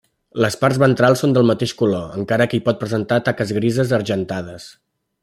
Les parts ventrals són del mateix color, encara que hi pot presentar taques grises argentades.